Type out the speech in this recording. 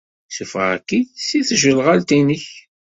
Ssuffɣeɣ-k-id seg tjeɣlalt-nnek.